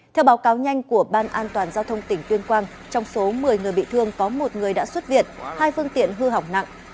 theo báo cáo nhanh của ban an toàn giao thông tỉnh tuyên quang trong số một mươi người bị thương có một người đã xuất viện hai phương tiện hư hỏng nặng